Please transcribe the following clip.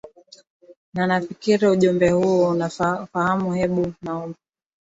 na nafikiri ujumbe huu unaufahamu hebu naomba